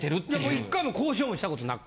１回も交渉もした事なく？